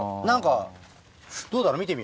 何かどうだろう